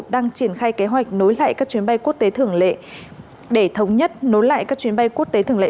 đang triển khai kế hoạch nối lại các chuyến bay quốc tế thường lệ để thống nhất nối lại các chuyến bay quốc tế thường lệ